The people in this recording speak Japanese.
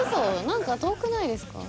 なんか遠くないですか？